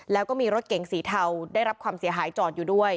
แล้วก็มีรถเก๋งสีเทาได้รับความเสียหายจอดอยู่ด้วย